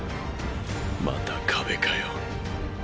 また壁かよ。